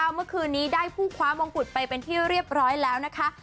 เมื่อคืนนี้ได้ผู้คว้ามงกุฎไปเป็นที่เรียบร้อยแล้วนะคะ